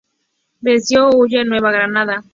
Vencido, huye a Nueva Granada.